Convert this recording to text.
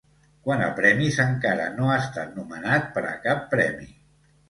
Quant a premis, encara no ha estat nomenat per a cap premi.